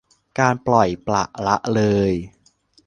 การปล่อยปละละเลย